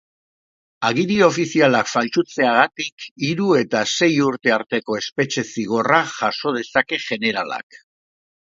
Agiri ofizialak faltsutzeagatik hiru eta sei urte arteko espetxe-zigorra jaso dezake jeneralak.